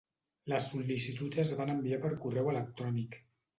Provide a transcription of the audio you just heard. Les sol·licituds es van enviar per correu electrònic.